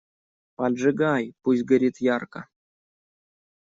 Поджигай, пусть горит ярко!